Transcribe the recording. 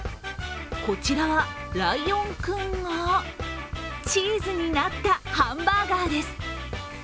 こちらは、らいおんくんがチーズになったハンバーガーです。